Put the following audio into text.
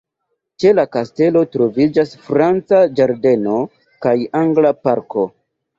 Ĉe la kastelo troviĝas franca ĝardeno kaj angla parko.